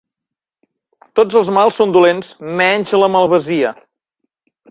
Tots els mals són dolents, menys la malvasia.